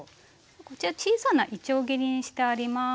こちら小さないちょう切りにしてあります。